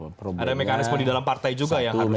ada mekanisme di dalam partai juga yang harus